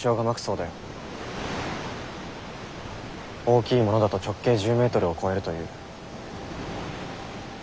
大きいものだと直径１０ｍを超えるという。